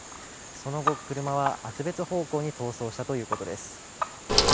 その後、車は厚別方向に逃走したということです。